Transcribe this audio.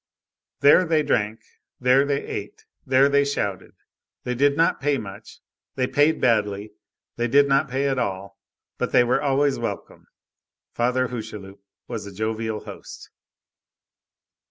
There they drank, there they ate, there they shouted; they did not pay much, they paid badly, they did not pay at all, but they were always welcome. Father Hucheloup was a jovial host.